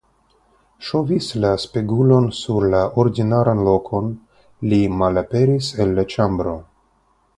Ŝovis la spegulon sur la ordinaran lokon, li malaperis el la ĉambro.